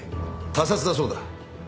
他殺だそうだ。